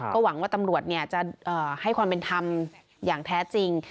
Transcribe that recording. มองต้องห้ามลูกให้เลี้ยงลูก